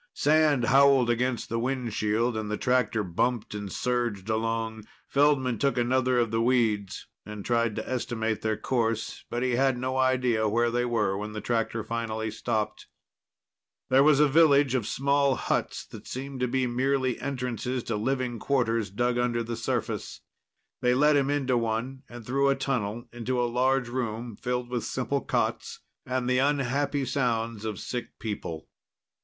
Sand howled against the windshield and the tractor bumped and surged along. Feldman took another of the weeds and tried to estimate their course. But he had no idea where they were when the tractor finally stopped. There was a village of small huts that seemed to be merely entrances to living quarters dug under the surface. They led him into one and through a tunnel into a large room filled with simple cots and the unhappy sounds of sick people.